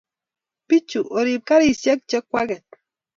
Pichu Orib karishek che kwaket